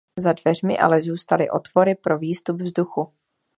Za dveřmi ale zůstaly otvory pro výstup vzduchu.